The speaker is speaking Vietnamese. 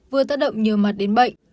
vừa tác động nhiều mặt đến bệnh